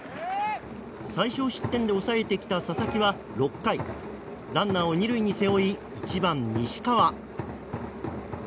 最少失点で抑えてきた佐々木は６回ランナーを２塁に背負い１番、西川。